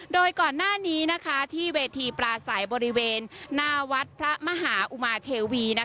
โดยก่อนหน้านี้ที่เวทีปลาใสบริเวณหน้าวัดพระมหาอุมาเทวี